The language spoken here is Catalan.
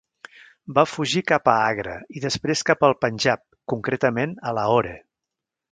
Va fugir cap a Agra i després cap al Panjab, concretament a Lahore.